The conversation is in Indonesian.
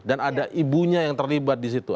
dan ada ibunya yang terlibat di situ